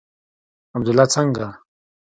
عبدالله څنگه.